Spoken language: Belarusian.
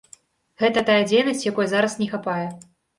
Гэта тая дзейнасць, якой зараз не хапае.